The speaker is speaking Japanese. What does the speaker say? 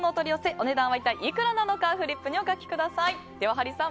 お値段は一体いくらなのかフリップにお書きください。